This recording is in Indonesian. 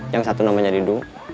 yang satu namanya didu